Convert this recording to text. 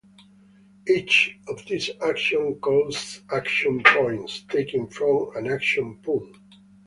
Each of these actions costs 'action points', taken from an action pool.